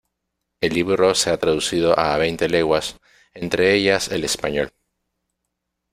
El libro se ha traducido a veinte lenguas, entre ellas el español.